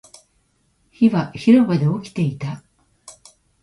火は広場で起きていた